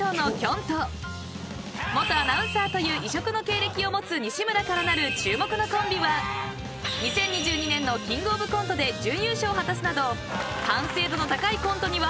んと元アナウンサーという異色の経歴を持つ西村からなる注目のコンビは２０２２年のキングオブコントで準優勝を果たすなど完成度の高いコントには定評が］